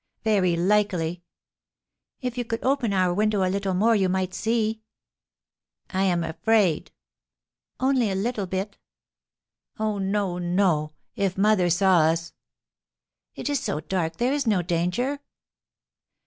"Very likely." "If you could open our window a little more you might see." "I am afraid." "Only a little bit." "Oh, no, no! If mother saw us!" "It is so dark, there is no danger."